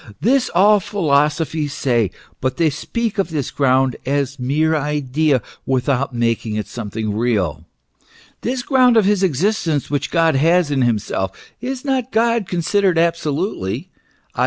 This all philosophies say, but they speak of this ground as a mere idea, without making it THE MYSTERY OF MYSTICISM. 89 something real. This ground of his existence which God has in himself, is not God considered absolutely, i.